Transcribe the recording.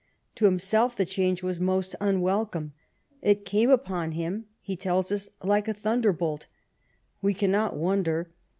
To himself the change was most unwelcome. It came upon him, he tells us, " like a thunderbolt." We cannot wonder.